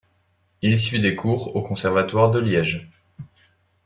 Il suit des cours au conservatoire de Liège.